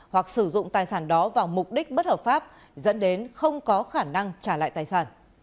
hoặc sử dụng tài sản đó vào mục đích bất hợp pháp dẫn đến không có khả năng trả lại tài sản